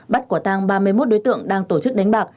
bắt quả tang ba mươi một đối tượng đang tổ chức đánh bạc